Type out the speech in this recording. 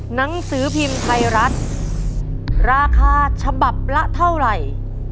หนังสือพิมพ์ไทยรัฐราคาฉบับละเท่าไหร่